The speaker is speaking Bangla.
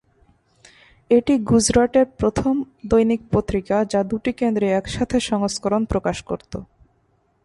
এটি গুজরাটের প্রথম দৈনিক পত্রিকা যা দুটি কেন্দ্রে একসাথে সংস্করণ প্রকাশ করত।